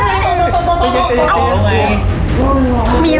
ไม่ต้องกลับมาที่นี่